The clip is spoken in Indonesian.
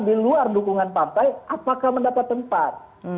di luar dukungan partai apakah mendapat tempat